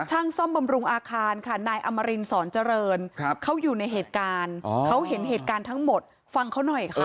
ช่างซ่อมบำรุงอาคารค่ะนายอมรินสอนเจริญเขาอยู่ในเหตุการณ์เขาเห็นเหตุการณ์ทั้งหมดฟังเขาหน่อยค่ะ